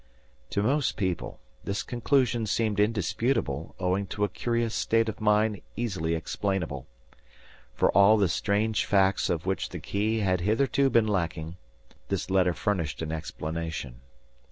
To most people this conclusion seemed indisputable owing to a curious state of mind easily explainable. For all the strange facts of which the key had hitherto been lacking, this letter furnished an explanation.